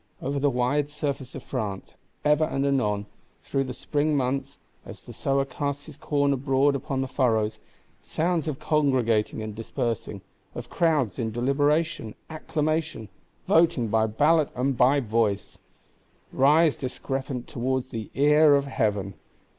Over the wide surface of France, ever and anon, through the spring months, as the Sower casts his corn abroad upon the furrows, sounds of congregating and dispersing; of crowds in deliberation, acclamation, voting by ballot and by voice,—rise discrepant towards the ear of Heaven.